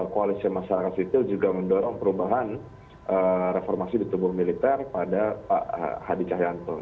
koalisi masyarakat sipil juga mendorong perubahan reformasi di tubuh militer pada pak hadi cahyanto